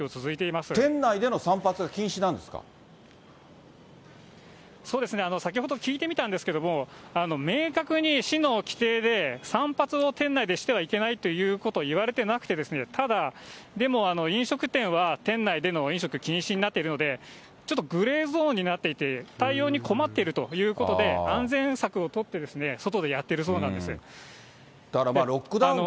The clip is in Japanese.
店内での散髪は禁止なんですそうですね、先ほど聞いてみたんですけれども、明確に市の規定で散髪を店内でしてはいけないということは言われてなくて、ただ、でも飲食店は店内での飲食禁止になっているので、ちょっとグレーゾーンになっていて、対応に困っているということで、安全策を取って、外でやってるそうなんです。